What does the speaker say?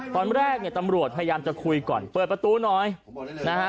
ตอนแรกเนี่ยตำรวจพยายามจะคุยก่อนเปิดประตูหน่อยนะฮะ